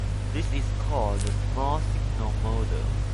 This is called the "small-signal model".